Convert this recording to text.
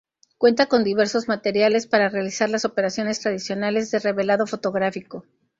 Cuenta con diversos materiales para realizar las operaciones tradicionales de revelado fotográfico.